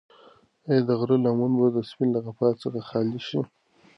ایا د غره لمنه به د سپي له غپا څخه خالي شي؟